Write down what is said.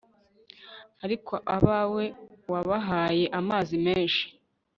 ariko abawe, wabahaye amazi menshi